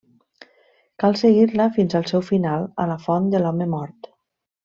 Cal seguir-la fins al seu final, a la Font de l'Home Mort.